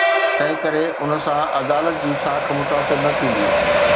تنهن ڪري ان سان عدالت جي ساک متاثر نه ٿيندي.